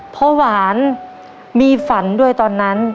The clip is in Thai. เพราะหวานมีฝันด้วยตอนนั้น